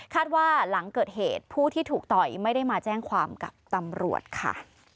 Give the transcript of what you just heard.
ว่าหลังเกิดเหตุผู้ที่ถูกต่อยไม่ได้มาแจ้งความกับตำรวจค่ะ